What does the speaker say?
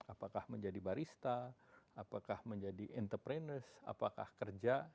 apakah menjadi barista apakah menjadi entrepreneurs apakah kerja